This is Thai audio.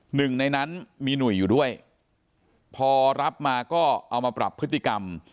หนึ่งในนั้นมีหนุ่ยอยู่ด้วยพอรับมาก็เอามาปรับพฤติกรรม